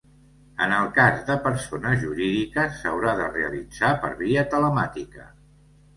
En el cas de persones jurídiques s'haurà de realitzar per via telemàtica.